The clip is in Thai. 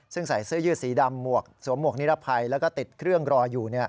ซึ่งใส่เสื้อยืดสีดำสวมหวกนิรภัยแล้วก็ติดเครื่องรออยู่